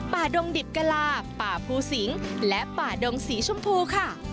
ดงดิบกะลาป่าภูสิงและป่าดงสีชมพูค่ะ